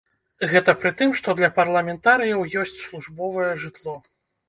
Гэта пры тым, што для парламентарыяў ёсць службовае жытло!